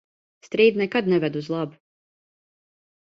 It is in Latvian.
Strīdi nekad neved uz labu.